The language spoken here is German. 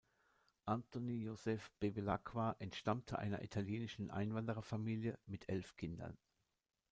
Anthony Joseph Bevilacqua entstammte einer italienischen Einwandererfamilie mit elf Kindern.